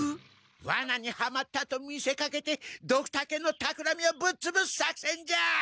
ワナにはまったと見せかけてドクタケのたくらみをぶっつぶす作戦じゃ！